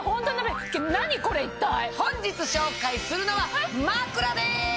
本日紹介するのは枕です！